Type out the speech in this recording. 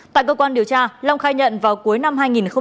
tại cơ quan điều tra long khai nhận vào cuối năm hai nghìn một mươi chín